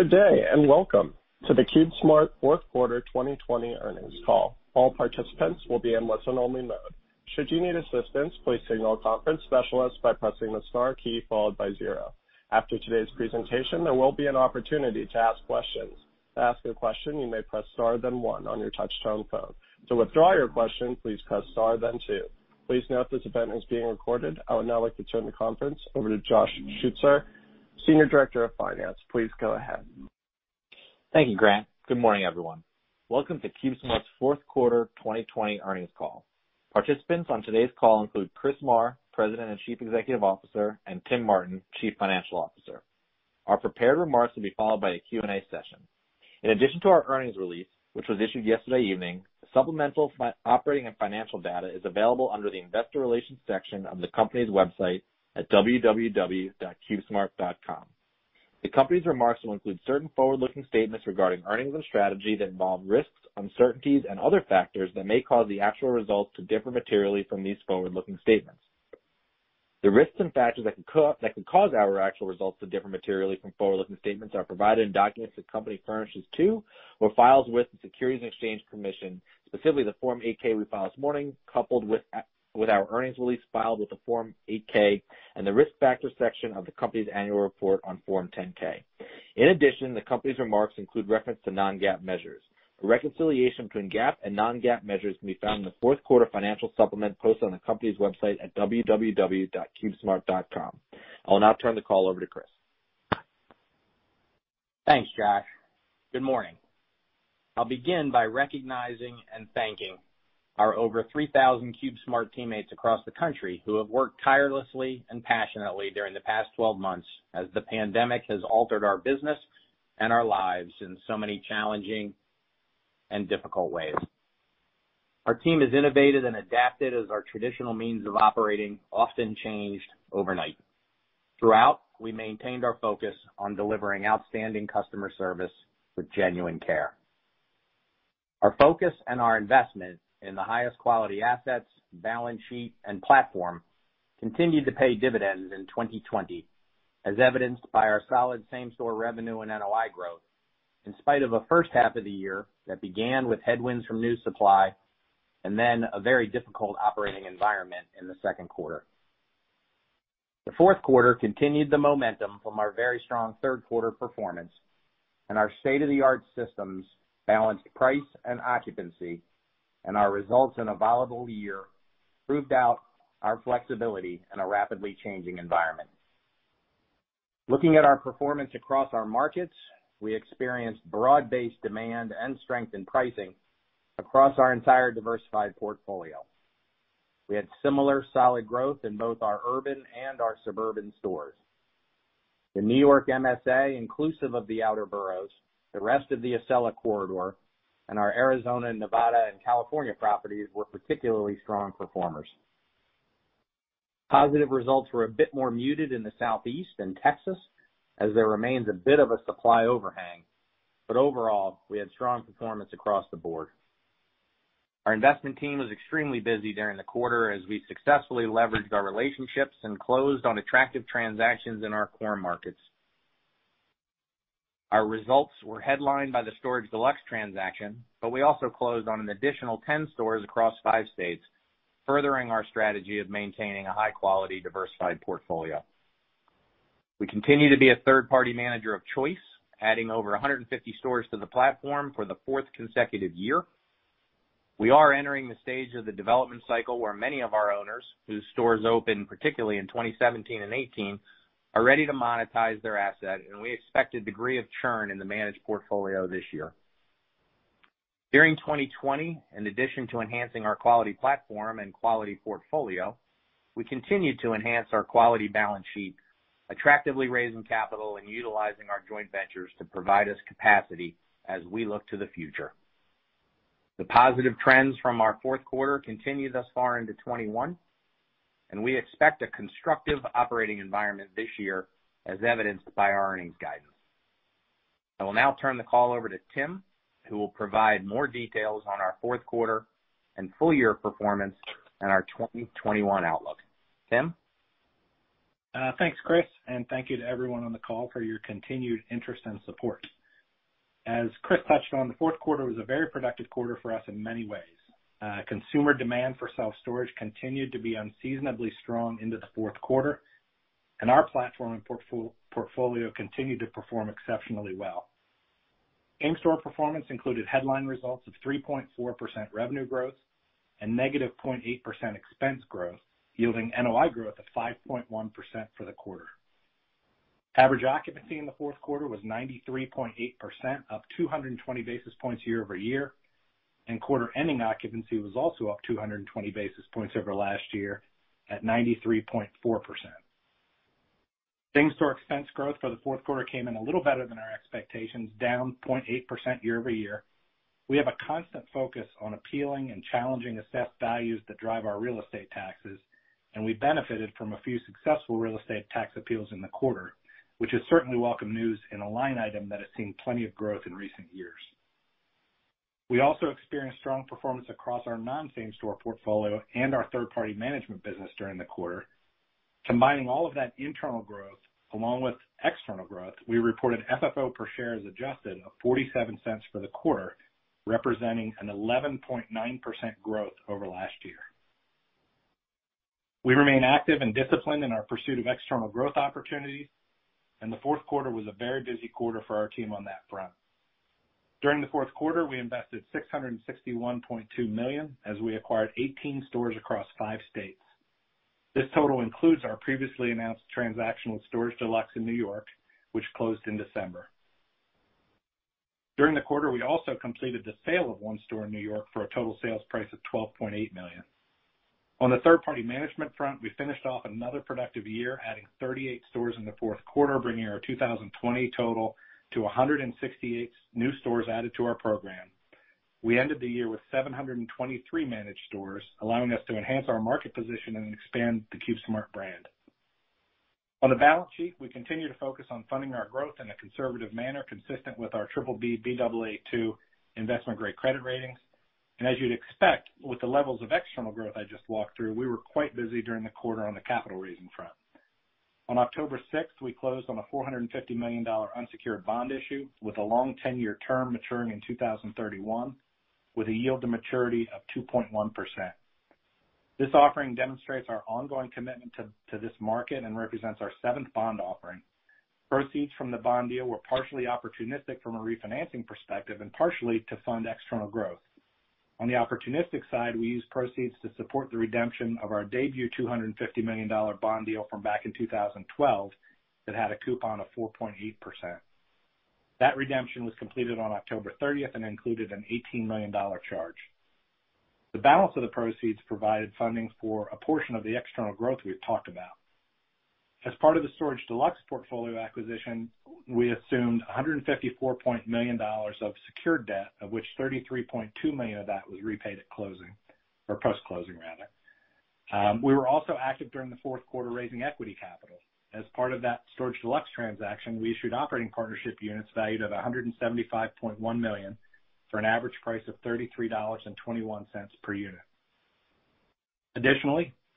Good day, and welcome to the CubeSmart fourth quarter 2020 earnings call. All participants will be in listen-only mode. Should you need assistance, please signal a conference specialist by pressing the star key followed by zero. After today's presentation, there will be an opportunity to ask questions. To ask a question, you may press star then one on your touch-tone phone. To withdraw your question, please press star then two. Please note this event is being recorded. I would now like to turn the conference over to Josh Schutzer, Senior Director of Finance. Please go ahead. Thank you, Grant. Good morning, everyone. Welcome to CubeSmart's fourth quarter 2020 earnings call. Participants on today's call include Chris Marr, President and Chief Executive Officer, and Tim Martin, Chief Financial Officer. Our prepared remarks will be followed by a Q&A session. In addition to our earnings release, which was issued yesterday evening, supplemental operating and financial data is available under the investor relations section of the company's website at www.cubesmart.com. The company's remarks will include certain forward-looking statements regarding earnings and strategy that involve risks, uncertainties, and other factors that may cause the actual results to differ materially from these forward-looking statements. The risks and factors that could cause our actual results to differ materially from forward-looking statements are provided in documents the company furnishes to or files with the Securities and Exchange Commission, specifically the Form 8-K we filed this morning, coupled with our earnings release filed with the Form 8-K and the risk factors section of the company's annual report on Form 10-K. In addition, the company's remarks include reference to non-GAAP measures. A reconciliation between GAAP and non-GAAP measures can be found in the fourth quarter financial supplement posted on the company's website at www.cubesmart.com. I will now turn the call over to Chris. Thanks, Josh. Good morning. I'll begin by recognizing and thanking our over 3,000 CubeSmart teammates across the country who have worked tirelessly and passionately during the past 12 months as the pandemic has altered our business and our lives in so many challenging and difficult ways. Our team has innovated and adapted as our traditional means of operating often changed overnight. Throughout, we maintained our focus on delivering outstanding customer service with genuine care. Our focus and our investment in the highest quality assets, balance sheet, and platform continued to pay dividends in 2020, as evidenced by our solid same-store revenue and NOI growth, in spite of a first half of the year that began with headwinds from new supply and then a very difficult operating environment in the second quarter. The fourth quarter continued the momentum from our very strong third quarter performance, and our state-of-the-art systems balanced price and occupancy, and our results in a volatile year proved out our flexibility in a rapidly changing environment. Looking at our performance across our markets, we experienced broad-based demand and strength in pricing across our entire diversified portfolio. We had similar solid growth in both our urban and our suburban stores. The New York MSA, inclusive of the outer boroughs, the rest of the Acela Corridor, and our Arizona, Nevada, and California properties were particularly strong performers. Positive results were a bit more muted in the Southeast and Texas as there remains a bit of a supply overhang, but overall, we had strong performance across the board. Our investment team was extremely busy during the quarter as we successfully leveraged our relationships and closed on attractive transactions in our core markets. Our results were headlined by the Storage Deluxe transaction, but we also closed on an additional 10 stores across five states, furthering our strategy of maintaining a high-quality, diversified portfolio. We continue to be a third-party manager of choice, adding over 150 stores to the platform for the fourth consecutive year. We are entering the stage of the development cycle where many of our owners, whose stores opened particularly in 2017 and 2018, are ready to monetize their asset, and we expect a degree of churn in the managed portfolio this year. During 2020, in addition to enhancing our quality platform and quality portfolio, we continued to enhance our quality balance sheet, attractively raising capital and utilizing our joint ventures to provide us capacity as we look to the future. The positive trends from our fourth quarter continue thus far into 2021. We expect a constructive operating environment this year, as evidenced by our earnings guidance. I will now turn the call over to Tim, who will provide more details on our fourth quarter and full-year performance and our 2021 outlook. Tim? Thanks, Chris, and thank you to everyone on the call for your continued interest and support. As Chris touched on, the fourth quarter was a very productive quarter for us in many ways. Consumer demand for self-storage continued to be unseasonably strong into the fourth quarter, and our platform and portfolio continued to perform exceptionally well. In-store performance included headline results of 3.4% revenue growth and -0.8% expense growth, yielding NOI growth of 5.1% for the quarter. Average occupancy in the fourth quarter was 93.8%, up 220 basis points year-over-year, and quarter-ending occupancy was also up 220 basis points over last year at 93.4%. Same-store expense growth for the fourth quarter came in a little better than our expectations, down 0.8% year-over-year. We have a constant focus on appealing and challenging assessed values that drive our real estate taxes, and we benefited from a few successful real estate tax appeals in the quarter, which is certainly welcome news in a line item that has seen plenty of growth in recent years. We also experienced strong performance across our non-same-store portfolio and our third-party management business during the quarter. Combining all of that internal growth along with external growth, we reported FFO per share as adjusted of $0.47 for the quarter, representing an 11.9% growth over last year. We remain active and disciplined in our pursuit of external growth opportunities, the fourth quarter was a very busy quarter for our team on that front. During the fourth quarter, we invested $661.2 million as we acquired 18 stores across five states. This total includes our previously announced transaction with Storage Deluxe in N.Y., which closed in December. During the quarter, we also completed the sale of one store in N.Y. for a total sales price of $12.8 million. On the third-party management front, we finished off another productive year, adding 38 stores in the fourth quarter, bringing our 2020 total to 168 new stores added to our program. We ended the year with 723 managed stores, allowing us to enhance our market position and expand the CubeSmart brand. As you'd expect with the levels of external growth I just walked through, we were quite busy during the quarter on the capital raising front. On October 6th, we closed on a $450 million unsecured bond issue with a long 10-year term maturing in 2031 with a yield to maturity of 2.1%. This offering demonstrates our ongoing commitment to this market and represents our seventh bond offering. Proceeds from the bond deal were partially opportunistic from a refinancing perspective and partially to fund external growth. On the opportunistic side, we used proceeds to support the redemption of our debut $250 million bond deal from back in 2012 that had a coupon of 4.8%. That redemption was completed on October 30th and included an $18 million charge. The balance of the proceeds provided funding for a portion of the external growth we've talked about. As part of the Storage Deluxe portfolio acquisition, we assumed $154 million of secured debt, of which $33.2 million of that was repaid at closing, or post-closing rather. We were also active during the fourth quarter, raising equity capital. As part of that Storage Deluxe transaction, we issued operating partnership units valued at $175.1 million for an average price of $33.21 per unit.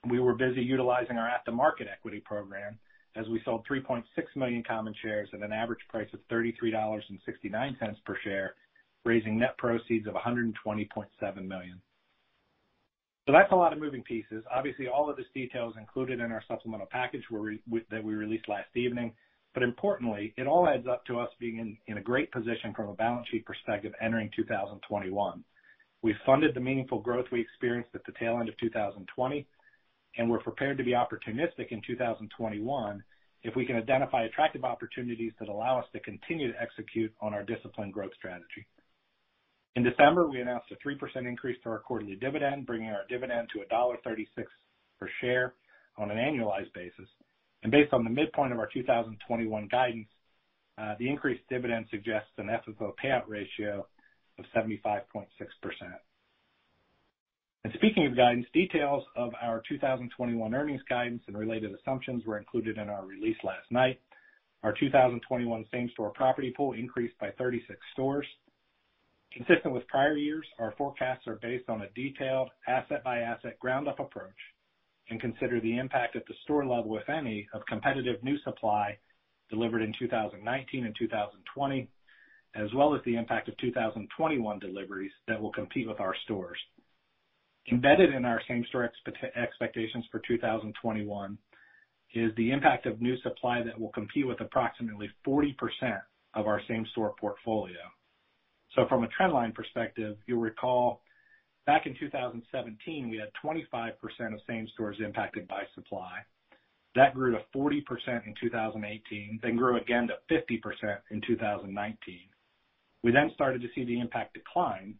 We were busy utilizing our at-the-market equity program as we sold 3.6 million common shares at an average price of $33.69 per share, raising net proceeds of $120.7 million. That's a lot of moving pieces. All of this detail is included in our supplemental package that we released last evening. Importantly, it all adds up to us being in a great position from a balance sheet perspective entering 2021. We funded the meaningful growth we experienced at the tail end of 2020, and we're prepared to be opportunistic in 2021 if we can identify attractive opportunities that allow us to continue to execute on our disciplined growth strategy. In December, we announced a 3% increase to our quarterly dividend, bringing our dividend to $1.36 per share on an annualized basis. Based on the midpoint of our 2021 guidance, the increased dividend suggests an FFO payout ratio of 75.6%. Speaking of guidance, details of our 2021 earnings guidance and related assumptions were included in our release last night. Our 2021 same-store property pool increased by 36 stores. Consistent with prior years, our forecasts are based on a detailed asset-by-asset ground-up approach and consider the impact at the store level, if any, of competitive new supply delivered in 2019 and 2020, as well as the impact of 2021 deliveries that will compete with our stores. Embedded in our same-store expectations for 2021 is the impact of new supply that will compete with approximately 40% of our same-store portfolio. From a trendline perspective, you'll recall back in 2017, we had 25% of same stores impacted by supply. That grew to 40% in 2018, then grew again to 50% in 2019. We started to see the impact decline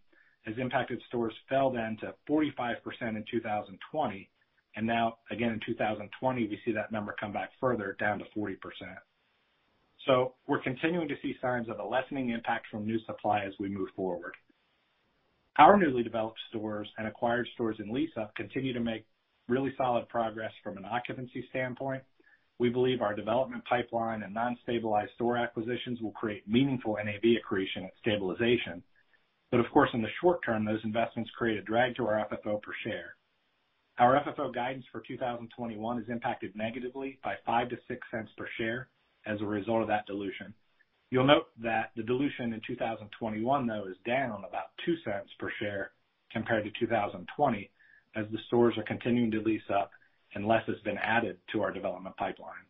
as impacted stores fell to 45% in 2020. Now again in 2020, we see that number come back further down to 40%. We're continuing to see signs of a lessening impact from new supply as we move forward. Our newly developed stores and acquired stores in lease up continue to make really solid progress from an occupancy standpoint. We believe our development pipeline and non-stabilized store acquisitions will create meaningful NAV accretion at stabilization. Of course, in the short term, those investments create a drag to our FFO per share. Our FFO guidance for 2021 is impacted negatively by $0.05-$0.06 per share as a result of that dilution. You'll note that the dilution in 2021, though, is down on about $0.02 per share compared to 2020 as the stores are continuing to lease up and less has been added to our development pipeline.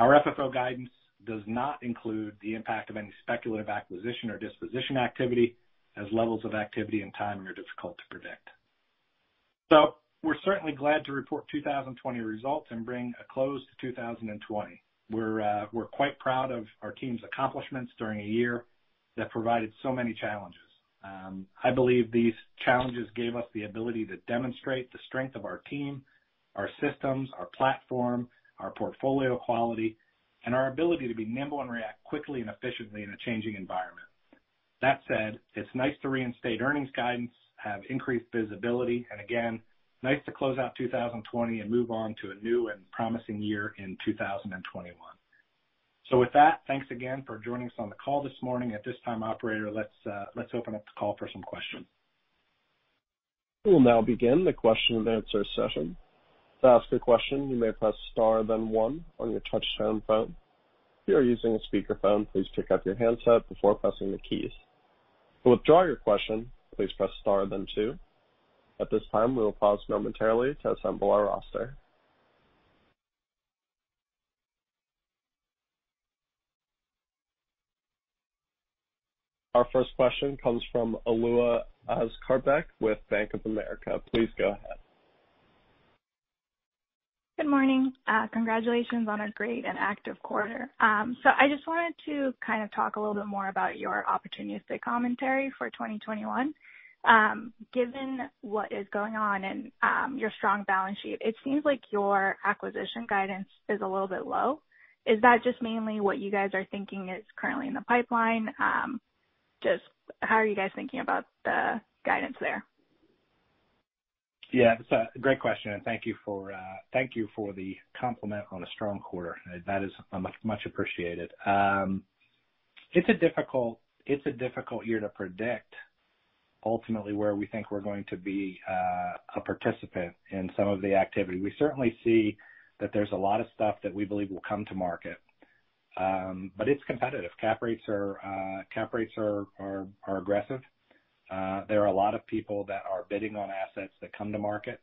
Our FFO guidance does not include the impact of any speculative acquisition or disposition activity as levels of activity and timing are difficult to predict. We're certainly glad to report 2020 results and bring a close to 2020. We're quite proud of our team's accomplishments during a year that provided so many challenges. I believe these challenges gave us the ability to demonstrate the strength of our team, our systems, our platform, our portfolio quality, and our ability to be nimble and react quickly and efficiently in a changing environment. That said, it's nice to reinstate earnings guidance, have increased visibility, and again, nice to close out 2020 and move on to a new and promising year in 2021. With that, thanks again for joining us on the call this morning. At this time, operator, let's open up the call for some questions. We will now begin the question and answer session. To ask a question, you may press star then one on your touchtone phone. If you are using a speakerphone, please pick up your handset before pressing the keys. To withdraw your question, please press star then two. At this time, we will pause momentarily to assemble our roster. Our first question comes from Alua Askarbek with Bank of America. Please go ahead. Good morning. Congratulations on a great and active quarter. I just wanted to kind of talk a little bit more about your opportunistic commentary for 2021. Given what is going on and your strong balance sheet, it seems like your acquisition guidance is a little bit low. Is that just mainly what you guys are thinking is currently in the pipeline? Just how are you guys thinking about the guidance there? Yeah. Great question. Thank you for the compliment on a strong quarter. That is much appreciated. It's a difficult year to predict, ultimately, where we think we're going to be a participant in some of the activity. We certainly see that there's a lot of stuff that we believe will come to market. It's competitive. cap rates are aggressive. There are a lot of people that are bidding on assets that come to market.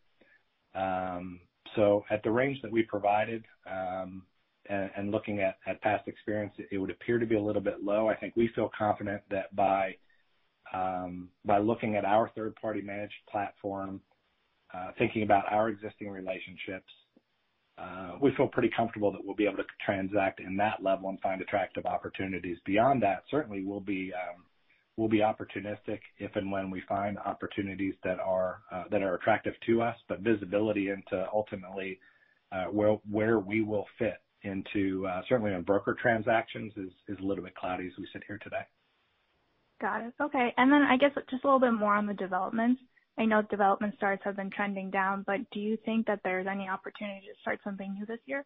At the range that we provided, and looking at past experience, it would appear to be a little bit low. I think we feel confident that by looking at our third-party managed platform, thinking about our existing relationships, we feel pretty comfortable that we'll be able to transact in that level and find attractive opportunities. Beyond that, certainly we'll be opportunistic if and when we find opportunities that are attractive to us. Visibility into ultimately where we will fit into certainly on broker transactions is a little bit cloudy as we sit here today. Got it. Okay. I guess just a little bit more on the developments. I know development starts have been trending down, but do you think that there's any opportunity to start something new this year?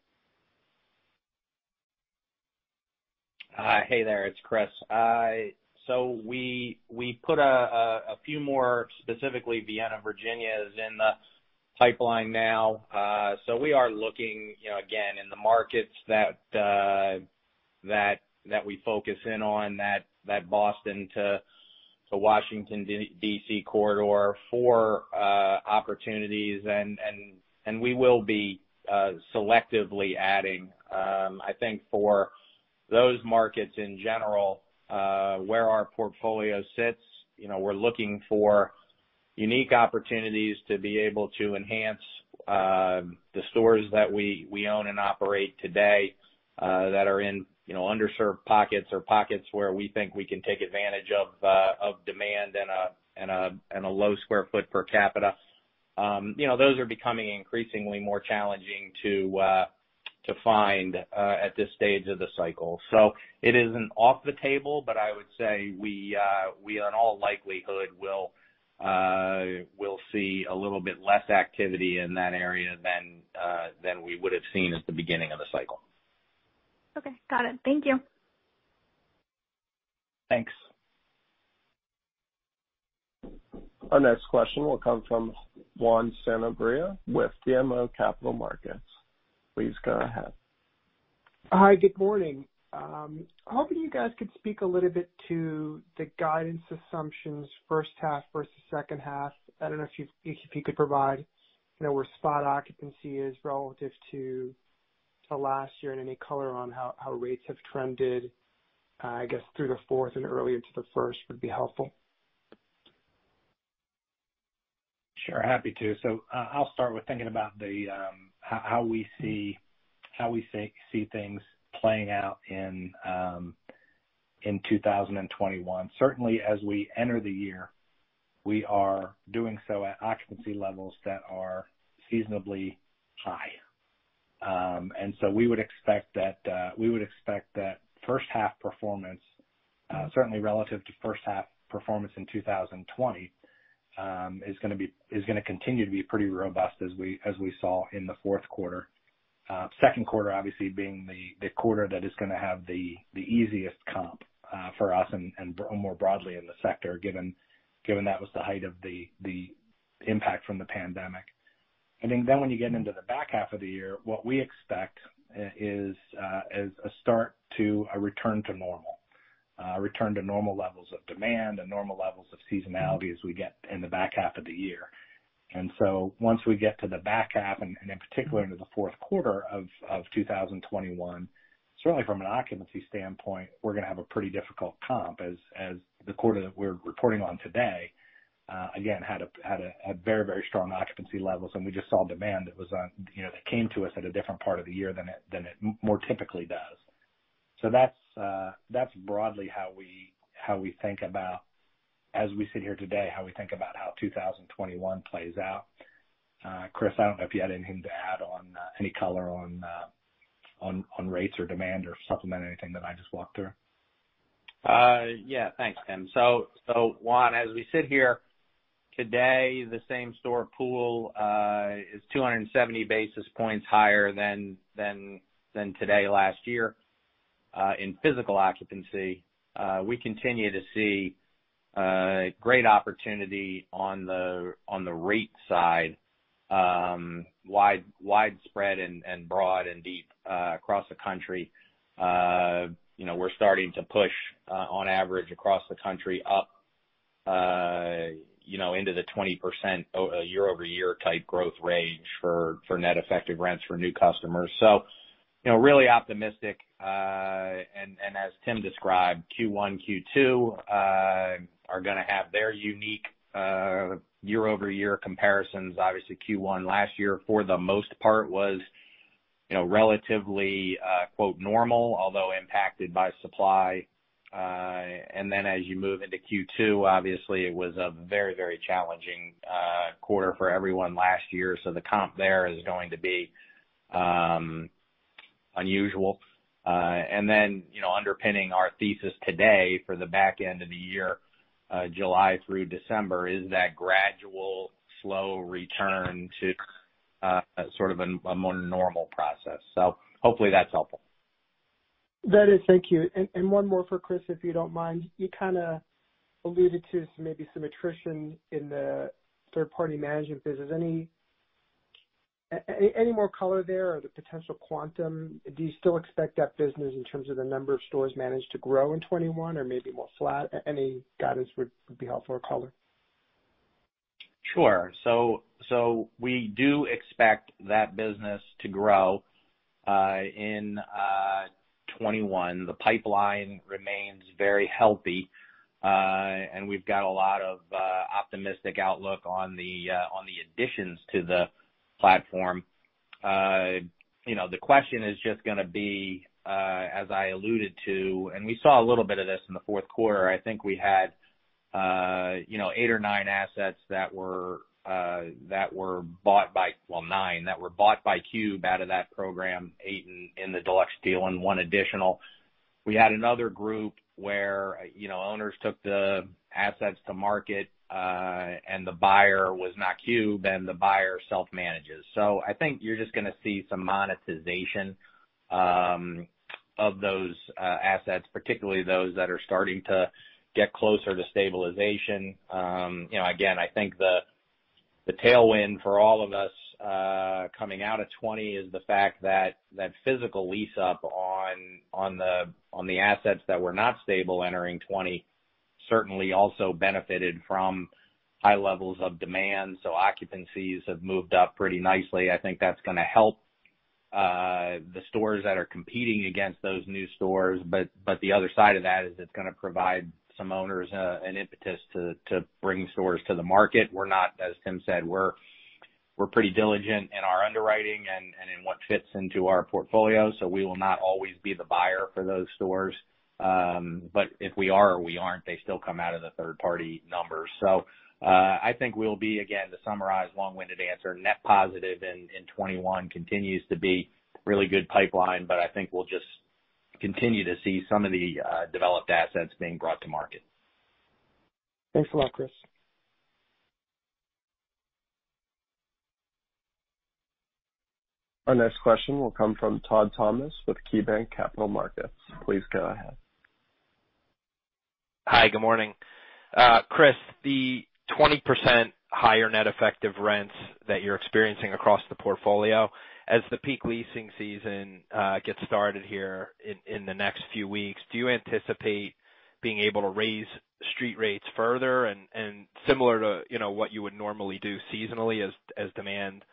Hey there, it's Chris. We put a few more, specifically Vienna, Virginia, is in the pipeline now. We are looking again in the markets that we focus in on, that Boston to Washington D.C. corridor, for opportunities, and we will be selectively adding. I think for those markets in general, where our portfolio sits, we're looking for unique opportunities to be able to enhance the stores that we own and operate today that are in underserved pockets or pockets where we think we can take advantage of demand and a low square foot per capita. Those are becoming increasingly more challenging to find at this stage of the cycle. It isn't off the table, but I would say we, in all likelihood, will see a little bit less activity in that area than we would've seen at the beginning of the cycle. Okay. Got it. Thank you. Thanks. Our next question will come from Juan Sanabria with BMO Capital Markets. Please go ahead. Hi. Good morning. Hoping you guys could speak a little bit to the guidance assumptions first half versus second half. I don't know if you could provide where spot occupancy is relative to the last year and any color on how rates have trended, I guess, through the fourth and earlier to the first would be helpful. Sure. Happy to. I'll start with thinking about how we see things playing out in 2021. Certainly, as we enter the year, we are doing so at occupancy levels that are seasonably high. We would expect that first half performance, certainly relative to first half performance in 2020, is going to continue to be pretty robust as we saw in the fourth quarter. Second quarter obviously being the quarter that is going to have the easiest comp for us and more broadly in the sector, given that was the height of the impact from the pandemic. I think when you get into the back half of the year, what we expect is a start to a return to normal. A return to normal levels of demand and normal levels of seasonality as we get in the back half of the year. Once we get to the back half, and in particular into the fourth quarter of 2021, certainly from an occupancy standpoint, we're going to have a pretty difficult comp as the quarter that we're reporting on today, again, had a very strong occupancy levels, and we just saw demand that came to us at a different part of the year than it more typically does. That's broadly how we think about, as we sit here today, how we think about how 2021 plays out. Chris, I don't know if you had anything to add on, any color on rates or demand or supplement anything that I just walked through. Yeah. Thanks, Tim. Juan, as we sit here today, the same-store pool is 270 basis points higher than today last year. In physical occupancy, we continue to see great opportunity on the rate side, widespread and broad and deep across the country. We're starting to push, on average, across the country, up into the 20% year-over-year type growth range for net effective rents for new customers. Really optimistic. As Tim described, Q1, Q2 are gonna have their unique year-over-year comparisons. Obviously, Q1 last year, for the most part, was relatively "normal," although impacted by supply. Then as you move into Q2, obviously, it was a very challenging quarter for everyone last year. The comp there is going to be unusual. Underpinning our thesis today for the back end of the year, July through December, is that gradual slow return to sort of a more normal process. Hopefully that's helpful. That is. Thank you. One more for Chris, if you don't mind. You kind of alluded to maybe some attrition in the third-party management business. Any more color there or the potential quantum? Do you still expect that business, in terms of the number of stores managed to grow in 2021 or maybe more flat? Any guidance would be helpful or color. Sure. We do expect that business to grow in 2021. The pipeline remains very healthy, and we've got a lot of optimistic outlook on the additions to the platform. The question is just going to be, as I alluded to, and we saw a little bit of this in the fourth quarter. I think we had eight or nine assets, well, nine that were bought by CubeSmart out of that program, eight in the Deluxe deal and one additional. We had another group where owners took the assets to market, and the buyer was not CubeSmart, and the buyer self-manages. I think you're just going to see some monetization of those assets, particularly those that are starting to get closer to stabilization. I think the tailwind for all of us coming out of 2020 is the fact that physical lease-up on the assets that were not stable entering 2020 certainly also benefited from high levels of demand. Occupancies have moved up pretty nicely. I think that's gonna help the stores that are competing against those new stores. The other side of that is it's gonna provide some owners an impetus to bring stores to the market. We're not, as Tim said, we're pretty diligent in our underwriting and in what fits into our portfolio, we will not always be the buyer for those stores. If we are or we aren't, they still come out of the third-party numbers. I think we'll be, again, to summarize, long-winded answer, net positive in 2021 continues to be really good pipeline, but I think we'll just continue to see some of the developed assets being brought to market. Thanks a lot, Chris. Our next question will come from Todd Thomas with KeyBanc Capital Markets. Please go ahead. Hi. Good morning. Chris, the 20% higher net effective rents that you're experiencing across the portfolio as the peak leasing season gets started here in the next few weeks, do you anticipate being able to raise street rates further and similar to what you would normally do seasonally as demand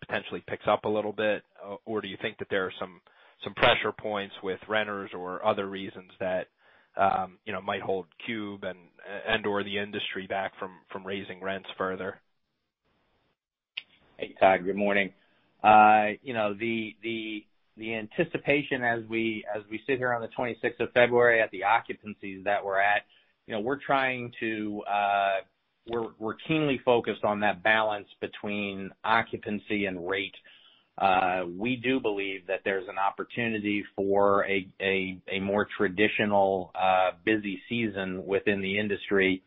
potentially picks up a little bit? Do you think that there are some pressure points with renters or other reasons that might hold CubeSmart and/or the industry back from raising rents further? Hey, Todd. Good morning. The anticipation as we sit here on the 26th of February at the occupancies that we're at, we're keenly focused on that balance between occupancy and rate. We do believe that there's an opportunity for a more traditional busy season within the industry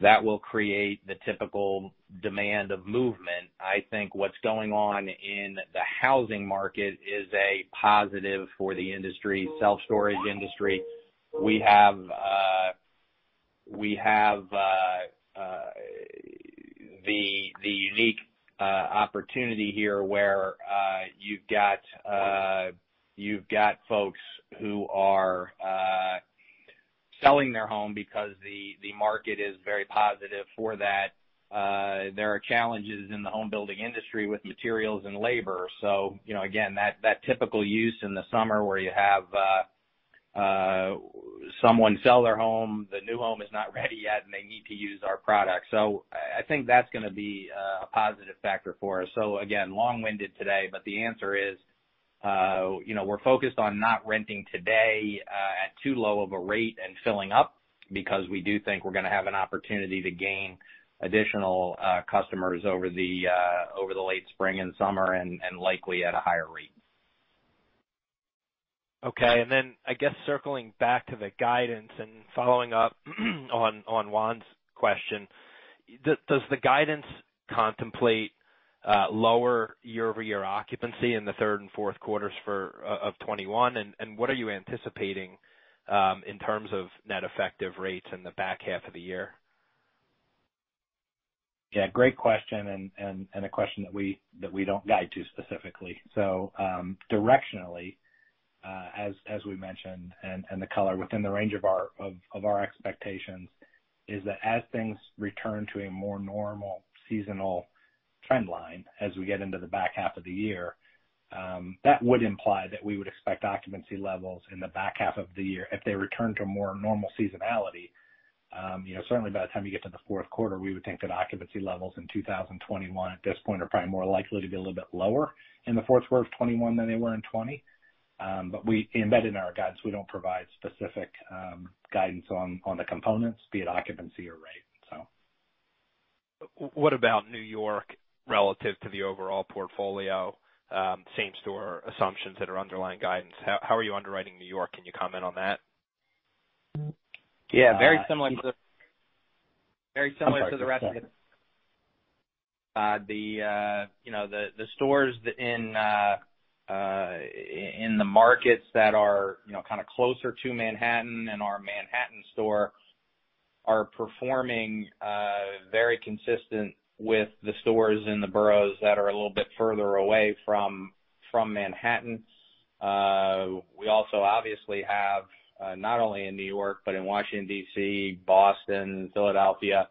that will create the typical demand of movement. I think what's going on in the housing market is a positive for the industry, self-storage industry. We have the unique opportunity here where you've got folks who are selling their home because the market is very positive for that. There are challenges in the home building industry with materials and labor. Again, that typical use in the summer where you have someone sell their home, the new home is not ready yet, and they need to use our product. I think that's gonna be a positive factor for us. Again, long-winded today, but the answer is we're focused on not renting today at too low of a rate and filling up. Because we do think we're going to have an opportunity to gain additional customers over the late spring and summer, and likely at a higher rate. Okay. I guess circling back to the guidance and following up on Juan's question, does the guidance contemplate lower year-over-year occupancy in the third and fourth quarters of 2021? What are you anticipating, in terms of net effective rents in the back half of the year? Yeah, great question and a question that we don't guide to specifically. Directionally, as we mentioned, and the color within the range of our expectations is that as things return to a more normal seasonal trend line, as we get into the back half of the year, that would imply that we would expect occupancy levels in the back half of the year, if they return to a more normal seasonality. Certainly, by the time you get to the fourth quarter, we would think that occupancy levels in 2021 at this point are probably more likely to be a little bit lower in the fourth quarter of 2021 than they were in 2020. We embed it in our guidance. We don't provide specific guidance on the components, be it occupancy or rate. What about New York relative to the overall portfolio, same-store assumptions that are underlying guidance? How are you underwriting New York? Can you comment on that? Yeah. Very similar to the rest of it. The stores in the markets that are kind of closer to Manhattan and our Manhattan store are performing very consistent with the stores in the boroughs that are a little bit further away from Manhattan. We also obviously have, not only in New York, but in Washington, D.C., Boston, Philadelphia,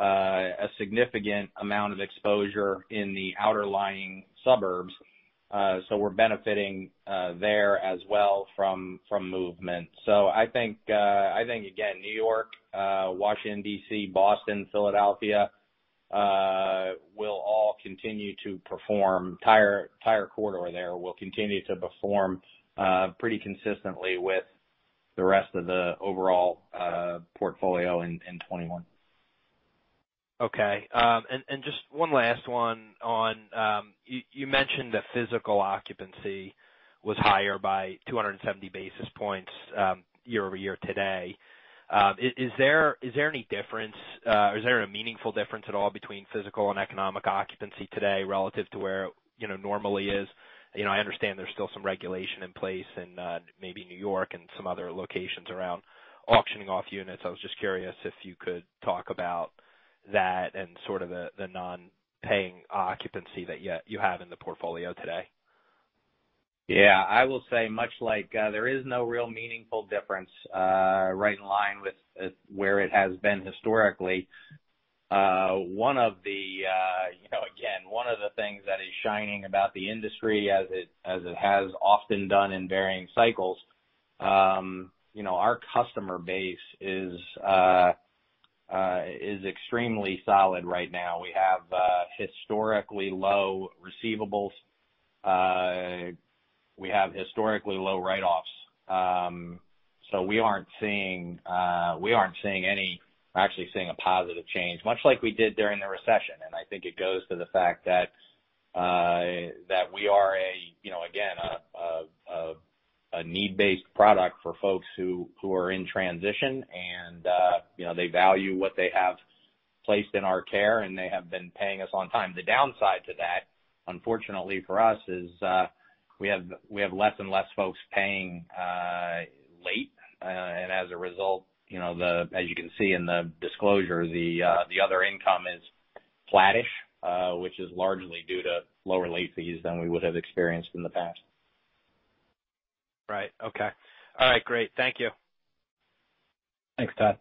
a significant amount of exposure in the outer-lying suburbs. We're benefiting there as well from movement. I think, again, New York, Washington, D.C., Boston, Philadelphia, will all continue to perform. The entire corridor there will continue to perform pretty consistently with the rest of the overall portfolio in 2021. Okay. Just one last one on You mentioned the physical occupancy was higher by 270 basis points year-over-year today. Is there any difference, or is there a meaningful difference at all between physical and economic occupancy today relative to where it normally is? I understand there's still some regulation in place in maybe New York and some other locations around auctioning off units. I was just curious if you could talk about that and sort of the non-paying occupancy that you have in the portfolio today. Yeah, I will say much like there is no real meaningful difference, right in line with where it has been historically. Again, one of the things that is shining about the industry, as it has often done in varying cycles, our customer base is extremely solid right now. We have historically low receivables. We have historically low write-offs. We're actually seeing a positive change, much like we did during the recession. I think it goes to the fact that we are, again, a need-based product for folks who are in transition and they value what they have placed in our care, and they have been paying us on time. The downside to that, unfortunately for us, is we have less and less folks paying late. As a result, as you can see in the disclosure, the other income is flattish, which is largely due to lower late fees than we would have experienced in the past. Right. Okay. All right, great. Thank you. Thanks, Todd.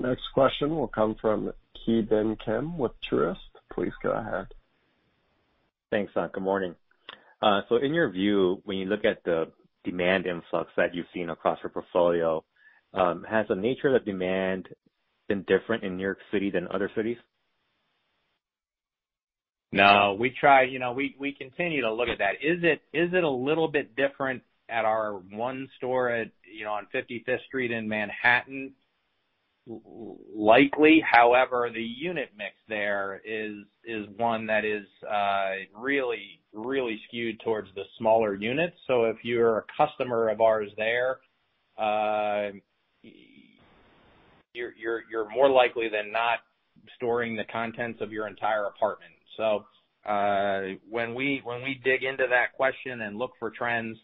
Next question will come from Ki Bin Kim with Truist. Please go ahead. Thanks. Good morning. In your view, when you look at the demand influx that you've seen across your portfolio, has the nature of the demand been different in New York City than other cities? No. We continue to look at that. Is it a little bit different at our one store on 55th Street in Manhattan? Likely. The unit mix there is one that is really skewed towards the smaller units. If you're a customer of ours there, you're more likely than not storing the contents of your entire apartment. When we dig into that question and look for trends,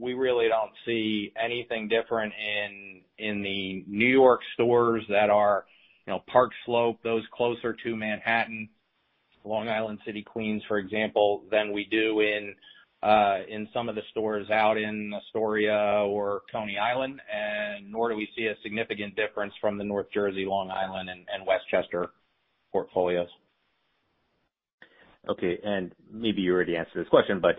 we really don't see anything different in the New York stores that are Park Slope, those closer to Manhattan, Long Island City, Queens, for example, than we do in some of the stores out in Astoria or Coney Island. Nor do we see a significant difference from the North Jersey, Long Island, and Westchester portfolios. Okay. Maybe you already answered this question, but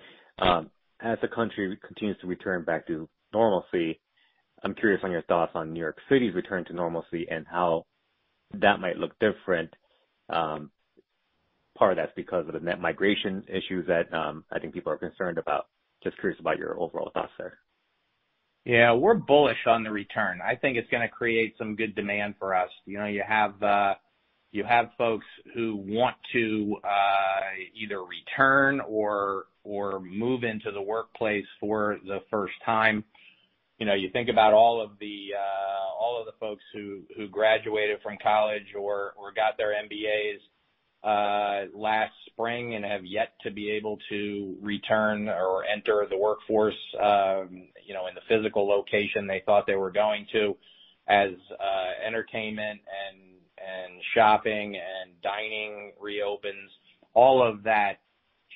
as the country continues to return back to normalcy, I'm curious on your thoughts on New York City's return to normalcy and how that might look different? Part of that's because of the net migration issues that I think people are concerned about. Just curious about your overall thoughts there. Yeah. We're bullish on the return. I think it's going to create some good demand for us. You have folks who want to either return or move into the workplace for the first time. You think about all of the folks who graduated from college or got their MBAs last spring and have yet to be able to return or enter the workforce in the physical location they thought they were going to, as entertainment and shopping and dining reopens. All of that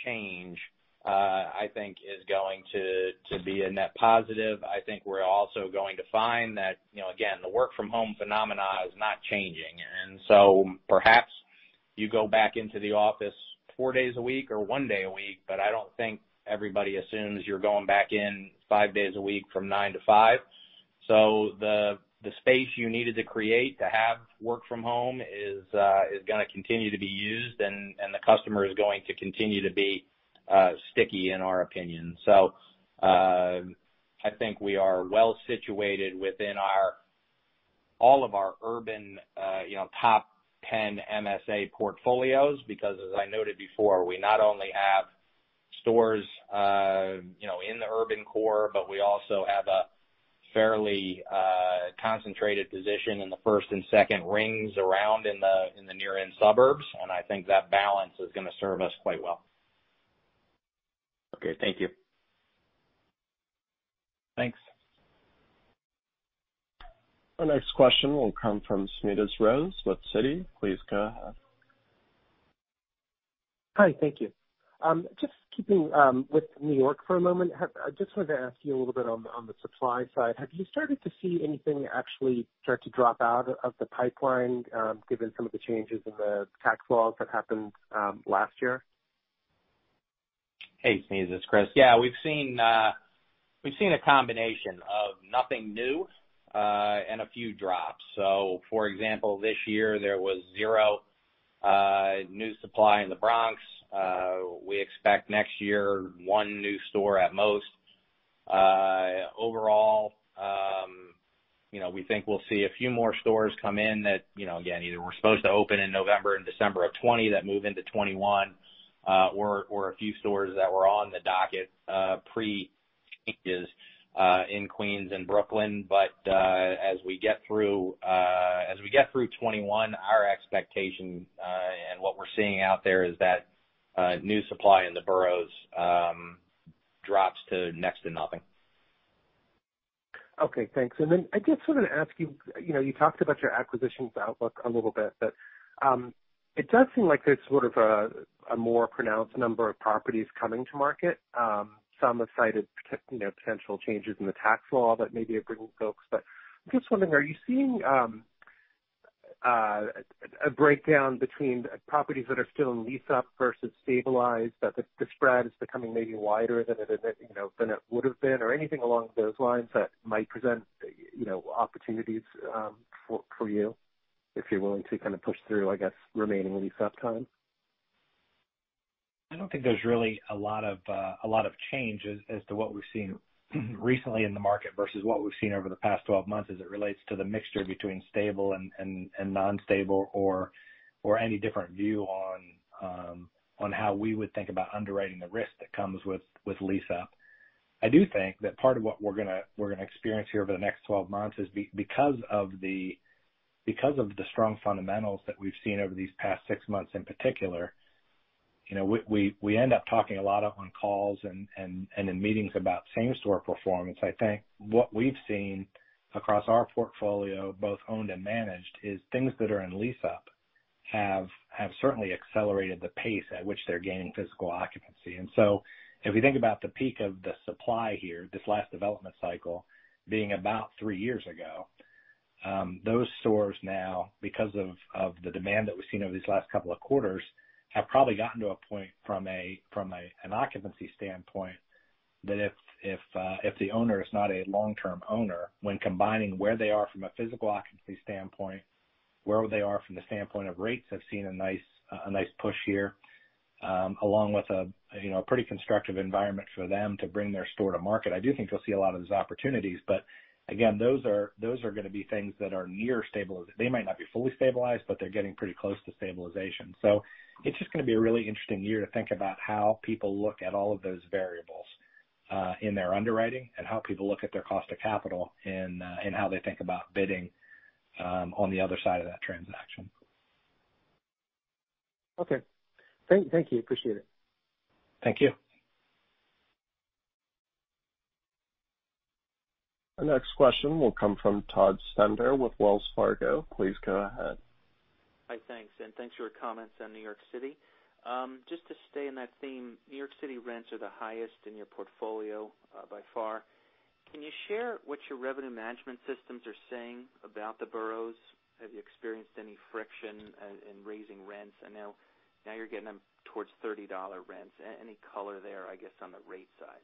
change, I think is going to be a net positive. I think we're also going to find that, again, the work from home phenomena is not changing. Perhaps you go back into the office four days a week or one day a week, but I don't think everybody assumes you're going back in five days a week from 9:00 to 5:00. The space you needed to create to have work from home is going to continue to be used, and the customer is going to continue to be sticky in our opinion. I think we are well situated within all of our urban top 10 MSA portfolios because as I noted before, we not only have stores in the urban core, but we also have a fairly concentrated position in the first and second rings around in the near-end suburbs. I think that balance is going to serve us quite well. Okay. Thank you. Thanks. Our next question will come from Smedes Rose with Citi. Please go ahead. Hi, thank you. Just keeping with New York for a moment. I just wanted to ask you a little bit on the supply side, have you started to see anything actually start to drop out of the pipeline, given some of the changes in the tax laws that happened last year? Hey, Smedes. It's Chris. We've seen a combination of nothing new, and a few drops. For example, this year there was zero new supply in the Bronx. We expect next year, one new store at most. Overall, we think we'll see a few more stores come in that, again, either were supposed to open in November and December of 2020 that move into 2021, or a few stores that were on the docket pre-pandemic in Queens and Brooklyn. As we get through 2021, our expectation, and what we're seeing out there is that new supply in the boroughs drops to next to nothing. Okay, thanks. I just wanted to ask you talked about your acquisitions outlook a little bit, but it does seem like there's sort of a more pronounced number of properties coming to market. Some have cited potential changes in the tax law that maybe have driven folks, but I'm just wondering, are you seeing a breakdown between properties that are still in lease-up versus stabilized, that the spread is becoming maybe wider than it would've been, or anything along those lines that might present opportunities for you if you're willing to kind of push through, I guess, remaining lease-up time? I don't think there's really a lot of change as to what we've seen recently in the market versus what we've seen over the past 12 months as it relates to the mixture between stable and non-stable, or any different view on how we would think about underwriting the risk that comes with lease-up. I do think that part of what we're going to experience here over the next 12 months is because of the strong fundamentals that we've seen over these past six months in particular, we end up talking a lot on calls and in meetings about same-store performance. I think what we've seen across our portfolio, both owned and managed, is things that are in lease-up have certainly accelerated the pace at which they're gaining physical occupancy. If you think about the peak of the supply here, this last development cycle being about three years ago, those stores now, because of the demand that we've seen over these last couple of quarters, have probably gotten to a point from an occupancy standpoint that if the owner is not a long-term owner, when combining where they are from a physical occupancy standpoint, where they are from the standpoint of rates, have seen a nice push here, along with a pretty constructive environment for them to bring their store to market. I do think you'll see a lot of those opportunities, but again, those are going to be things that are near stable. They might not be fully stabilized, but they're getting pretty close to stabilization. It's just going to be a really interesting year to think about how people look at all of those variables in their underwriting and how people look at their cost of capital and how they think about bidding on the other side of that transaction. Okay. Thank you. Appreciate it. Thank you. Our next question will come from Todd Stender with Wells Fargo. Please go ahead. Hi, thanks. Thanks for your comments on New York City. Just to stay in that theme, New York City rents are the highest in your portfolio by far. Can you share what your revenue management systems are saying about the boroughs? Have you experienced any friction in raising rents? I know now you're getting them towards $30 rents. Any color there, I guess, on the rate side?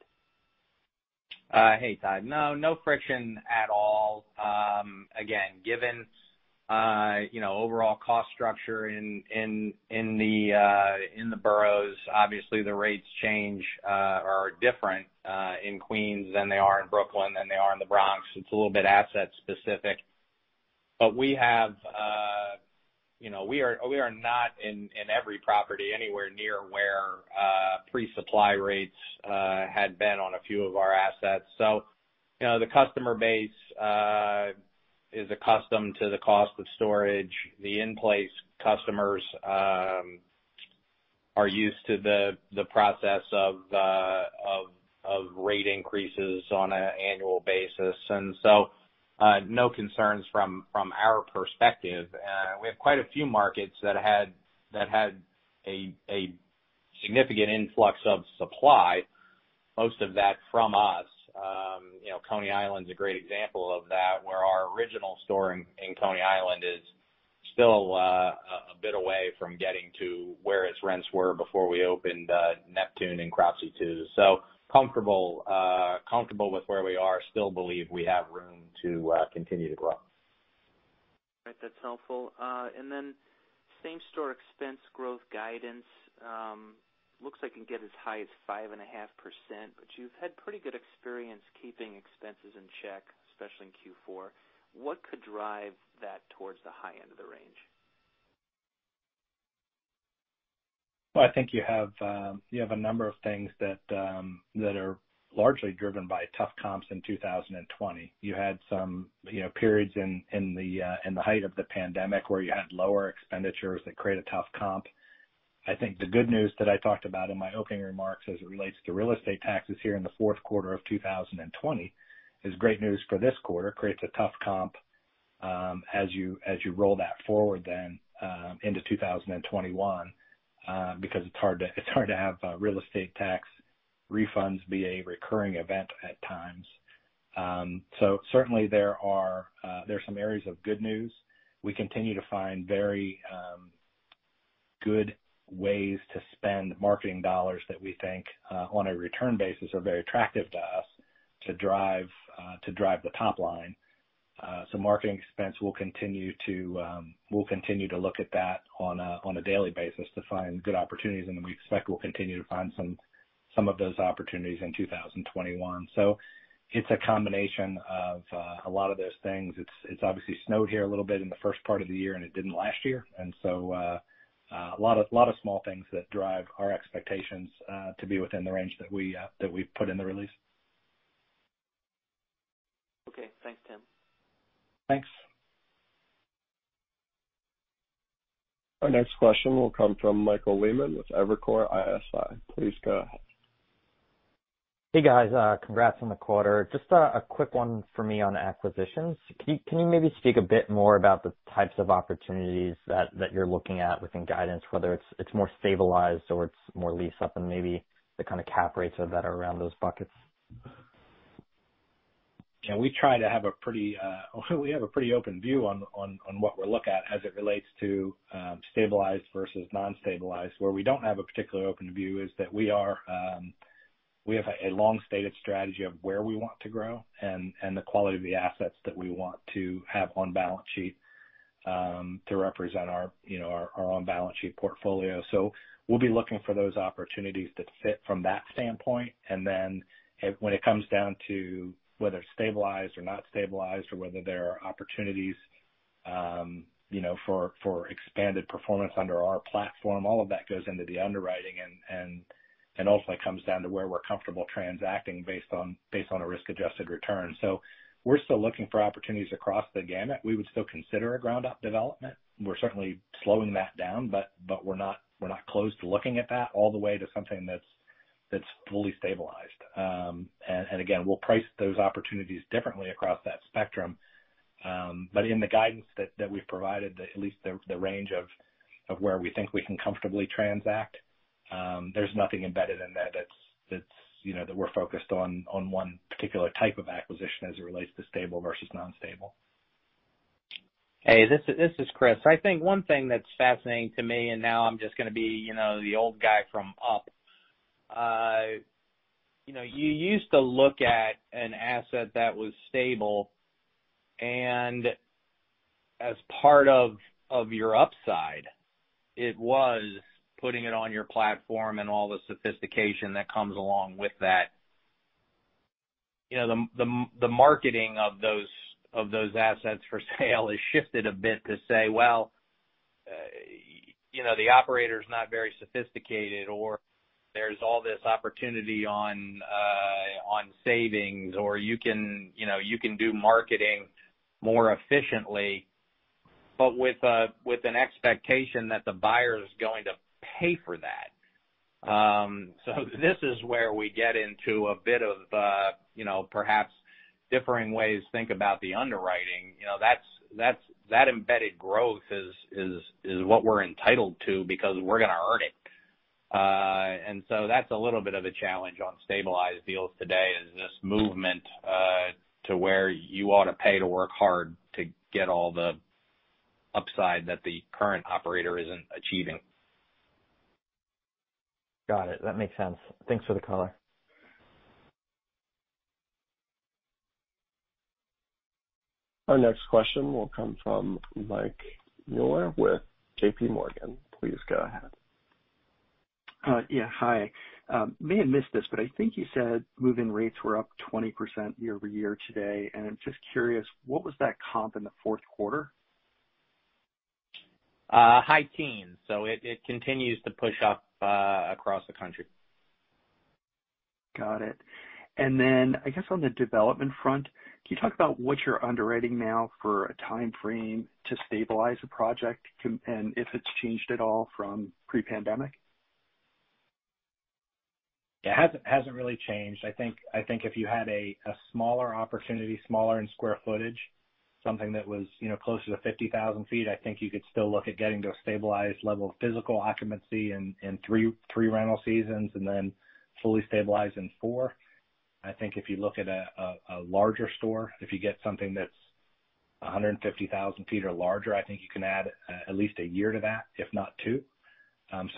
Hey, Todd. No friction at all. Given overall cost structure in the boroughs, obviously the rates change are different in Queens than they are in Brooklyn than they are in the Bronx. It's a little bit asset specific. We are not in every property anywhere near where pre-supply rates had been on a few of our assets. The customer base is accustomed to the cost of storage. The in-place customers are used to the process of rate increases on an annual basis. No concerns from our perspective. We have quite a few markets that had a significant influx of supply, most of that from us. Coney Island's a great example of that, where our original store in Coney Island is still a bit away from getting to where its rents were before we opened Neptune and Cropsey II. Comfortable with where we are. Still believe we have room to continue to grow. Right. That's helpful. Same-store expense growth guidance looks like it can get as high as 5.5%, but you've had pretty good experience keeping expenses in check, especially in Q4. What could drive that towards the high end of the range? Well, I think you have a number of things that are largely driven by tough comps in 2020. You had some periods in the height of the pandemic where you had lower expenditures that create a tough comp. I think the good news that I talked about in my opening remarks as it relates to real estate taxes here in the fourth quarter of 2020 is great news for this quarter. Creates a tough comp as you roll that forward then into 2021, because it's hard to have real estate tax refunds be a recurring event at times. Certainly there are some areas of good news. We continue to find very good ways to spend marketing dollars that we think on a return basis are very attractive to us to drive the top line. Marketing expense, we'll continue to look at that on a daily basis to find good opportunities, and then we expect we'll continue to find some of those opportunities in 2021. It's a combination of a lot of those things. It's obviously snowed here a little bit in the first part of the year, and it didn't last year. A lot of small things that drive our expectations to be within the range that we put in the release. Okay. Thanks, Tim. Thanks. Our next question will come from Michael Lehman with Evercore ISI. Please go ahead. Hey, guys. Congrats on the quarter. Just a quick one for me on acquisitions. Can you maybe speak a bit more about the types of opportunities that you're looking at within guidance, whether it's more stabilized or it's more lease up and maybe the kind of cap rates of that are around those buckets? Yeah, we have a pretty open view on what we look at as it relates to stabilized versus non-stabilized. Where we don't have a particular open view is that we have a long-stated strategy of where we want to grow and the quality of the assets that we want to have on balance sheet to represent our on-balance sheet portfolio. We'll be looking for those opportunities that fit from that standpoint, and then when it comes down to whether it's stabilized or not stabilized or whether there are opportunities for expanded performance under our platform, all of that goes into the underwriting and ultimately comes down to where we're comfortable transacting based on a risk-adjusted return. We're still looking for opportunities across the gamut. We would still consider a ground-up development. We're certainly slowing that down, we're not closed to looking at that all the way to something that's fully stabilized. Again, we'll price those opportunities differently across that spectrum. In the guidance that we've provided, at least the range of where we think we can comfortably transact, there's nothing embedded in that we're focused on one particular type of acquisition as it relates to stable versus non-stable. Hey, this is Chris. I think one thing that's fascinating to me, and now I'm just going to be the old guy from Up. You used to look at an asset that was stable, and as part of your upside, it was putting it on your platform and all the sophistication that comes along with that. The marketing of those assets for sale has shifted a bit to say, well, the operator's not very sophisticated, or there's all this opportunity on savings, or you can do marketing more efficiently, but with an expectation that the buyer's going to pay for that. This is where we get into a bit of perhaps differing ways to think about the underwriting. That embedded growth is what we're entitled to because we're going to earn it. That's a little bit of a challenge on stabilized deals today, is this movement to where you ought to pay to work hard to get all the upside that the current operator isn't achieving. Got it. That makes sense. Thanks for the color. Our next question will come from Mike Mueller with JPMorgan. Please go ahead. Yeah. Hi. May have missed this, but I think you said move-in rates were up 20% year-over-year today, and I'm just curious, what was that comp in the fourth quarter? High teens. It continues to push up across the country. Got it. I guess on the development front, can you talk about what you're underwriting now for a time frame to stabilize a project, and if it's changed at all from pre-pandemic? It hasn't really changed. I think if you had a smaller opportunity, smaller in square footage, something that was closer to 50,000 sq ft, I think you could still look at getting to a stabilized level of physical occupancy in three rental seasons and then fully stabilized in four. I think if you look at a larger store, if you get something that's 150,000 sq ft or larger, I think you can add at least a year to that, if not two.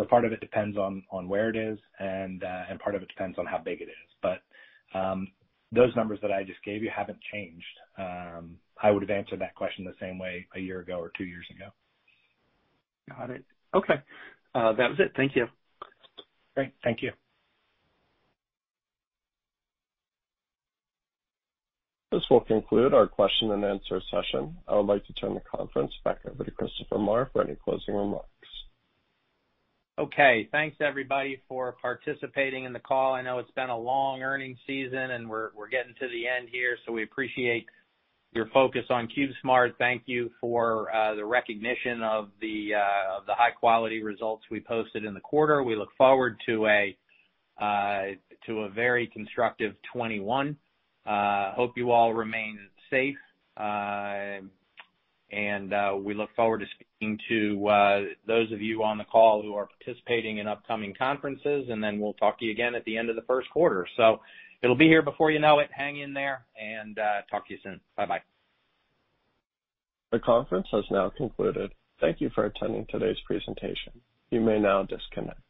Part of it depends on where it is, and part of it depends on how big it is. Those numbers that I just gave you haven't changed. I would've answered that question the same way a year ago or two years ago. Got it. Okay. That was it. Thank you. Great. Thank you. This will conclude our question and answer session. I would like to turn the conference back over to Chris Marr for any closing remarks. Okay. Thanks everybody for participating in the call. I know it's been a long earnings season, and we're getting to the end here, so we appreciate your focus on CubeSmart. Thank you for the recognition of the high-quality results we posted in the quarter. We look forward to a very constructive 2021. Hope you all remain safe. We look forward to speaking to those of you on the call who are participating in upcoming conferences, and then we'll talk to you again at the end of the first quarter. It'll be here before you know it. Hang in there, and talk to you soon. Bye-bye. The conference has now concluded. Thank you for attending today's presentation. You may now disconnect.